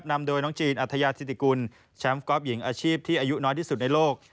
นำโดยน้องจีนอัธยาธิติกุลแชมป์กอล์ฟหญิงอาชีพที่อายุน้อยที่สุดในโลก